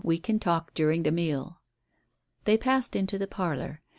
We can talk during the meal." They passed into the parlour.